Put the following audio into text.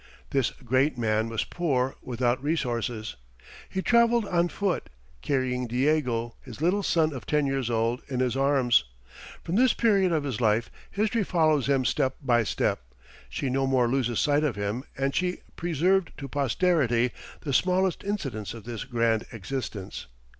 This great man was poor, without resources. He travelled on foot, carrying Diego his little son of ten years old, in his arms. From this period of his life, history follows him step by step; she no more loses sight of him, and she has preserved to posterity the smallest incidents of this grand existence.